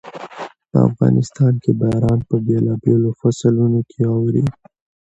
په افغانستان کې باران په بېلابېلو فصلونو کې اوري.